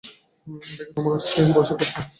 এটা কি তোমাকে আজকেই বলেছে এসব করতে?